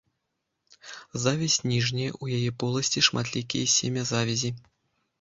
Завязь ніжняя, у яе поласці шматлікія семязавязі.